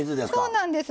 そうなんです。